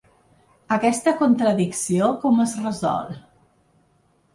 Aquesta contradicció com es resol?